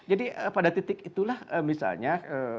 jadi pada titik itulah misalnya